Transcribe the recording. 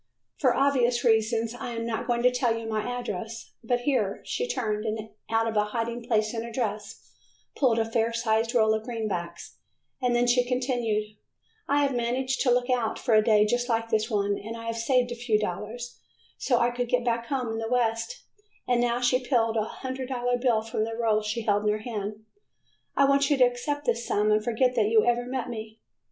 For obvious reasons, I am not going to tell you my address, but," here she turned and out of a hiding place in her dress pulled a fair sized roll of greenbacks, and then she continued, "I have managed to look out for a day just like this one and have saved a few dollars so I could get back home in the west, and" now she peeled a hundred dollar bill from the roll she held in her hand, "I want you to accept this sum and forget that you ever met me."